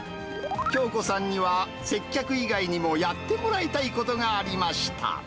京子さんには、接客以外にもやってもらいたいことがありました。